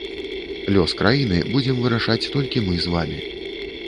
Лёс краіны будзем вырашаць толькі мы з вамі.